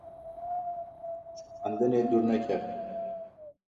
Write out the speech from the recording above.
Ji xwendinê dûr nekevin!